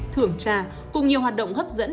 thưởng trà cùng nhiều hoạt động hấp dẫn